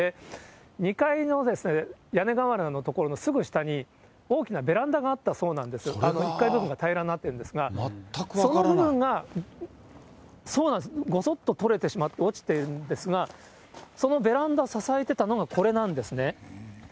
２階の屋根瓦の所のすぐ下に、大きなベランダがあったそうなんです、あの１階部分が平らになっているんですが、その部分がごそっと取れてしまって、落ちてしまってるんですが、そのベランダ支えてたのが、これなんですね。